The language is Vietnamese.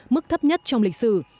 mức thấp nhất trong lịch sử